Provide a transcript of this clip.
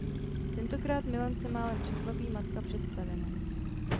Tentokrát milence málem překvapí matka představená.